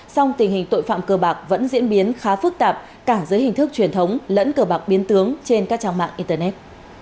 song tình hình tội phạm cờ bạc vẫn diễn biến khá phức tạp càng dưới hình thức truyền thống lẫn cờ bạc biến tướng trên các trang mạng internet